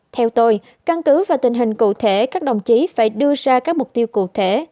theo tôi căn cứ và tình hình cụ thể các đồng chí phải đưa ra các mục tiêu cụ thể